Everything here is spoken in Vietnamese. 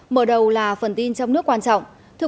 mở đầu là phần tin trong nước quan trọng